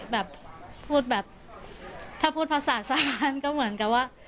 แบบพูดแบบถ้าพูดภาษานก็เหมือนกับว่า